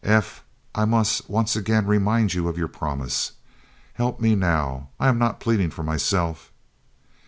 "F., I must once again remind you of your promise. Help me now. I am not pleading for myself."